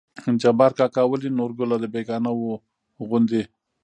جبار کاکا: ولې نورګله د بيګانه وو غوندې